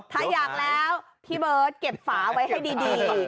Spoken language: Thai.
ถ้าอยากแล้วพี่เบิร์ตเก็บฝาไว้ให้ดี